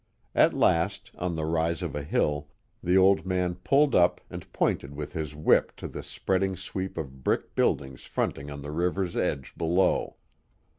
At last, on the rise of a hill, the old man pulled up and pointed with his whip to the spreading sweep of brick buildings fronting on the river's edge below.